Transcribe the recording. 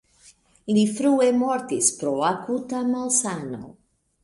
Li frue mortis pro akuta malsano.